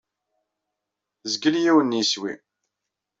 Tezgel yiwen n yeswi.